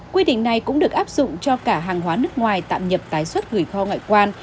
quy định này cũng được áp dụng cho cả hàng hóa nước ngoài tạm nhập tái xuất gửi kho ngoại quan